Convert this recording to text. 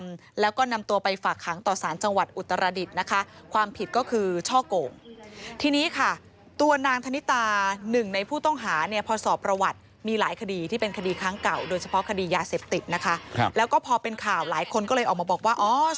แล้วก็นำตัวไปฝากขังต่อสารจังหวัดอุตรรดิษฐ์นะคะ